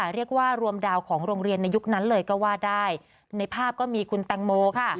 เรียกว่ารวมดาวของโรงเรียนในยุคนั้นเลยก็ว่าได้ในภาพก็มีคุณแตงโมค่ะ